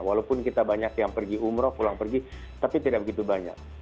walaupun kita banyak yang pergi umroh pulang pergi tapi tidak begitu banyak